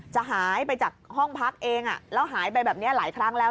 จะหายไปจากห้องพักเองแล้วหายไปแบบนี้หลายครั้งแล้ว